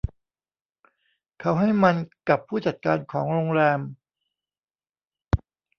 เขาให้มันกับผู้จัดการของโรงแรม